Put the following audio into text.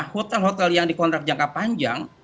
hotel hotel yang dikontrak jangka panjang